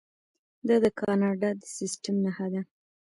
دا د کاناډا د سیستم نښه ده.